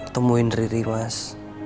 temuin riri mas